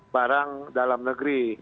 barang dalam negeri